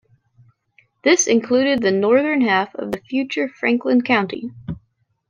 This included the northern half of the future Franklin County.